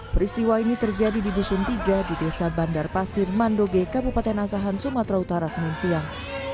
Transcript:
peristiwa ini terjadi di dusun tiga di desa bandar pasir mandoge kabupaten asahan sumatera utara senin siang